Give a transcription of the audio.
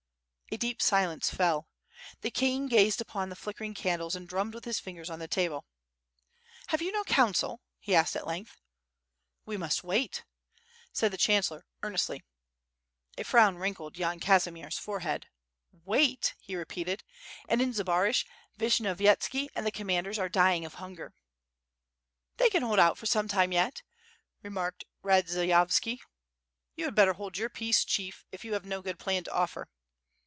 A deep silence fell. The king gazed upon the flickering candles and drummed with his fingers on the table. WITH FIRE AND SWORD. jg^ "Have you no counsel?" he asked at length. "We must wait/* said the chancellor, earnestly. A frown wrinkled Yan Kazimier's forehead. "Wait?" he repeated, *'and in Zbaraj, Vishnyovyetski and the commanders are dying of hunger." "They can hold out for some time yet," remarked Radzie yovski. "You had better hold your peace, chief, if you have no good plan to offer."